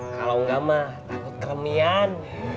kalau enggak mah takut keremian